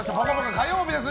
火曜日です。